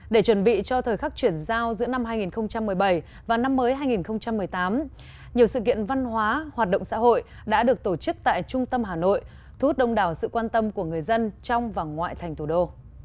để chuẩn bị cho thời khắc chuyển giao giữa năm hai nghìn một mươi bảy và năm mới hai nghìn một mươi tám nhiều sự kiện văn hóa hoạt động xã hội đã được tổ chức tại trung tâm hà nội thu hút đông đảo sự quan tâm của người dân trong và ngoại thành thủ đô